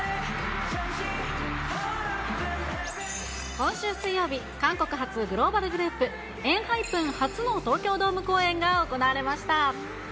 今週水曜日、韓国発グローバルグループ、ＥＮＨＹＰＥＮ初の東京ドーム公演が行われました。